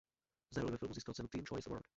Za roli ve filmu získala cenu Teen Choice Award.